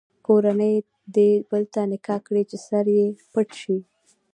کورنۍ دې بل ته نکاح کړي چې سر یې پټ شي.